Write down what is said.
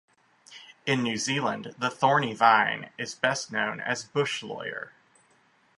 In New Zealand the thorny vine is best known as bush lawyer.